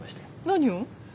何を？